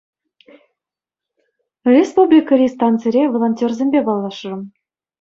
Республикӑри станцире волонтерсемпе паллашрӑм.